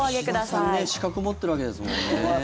岸田さん資格持ってるわけですもんね。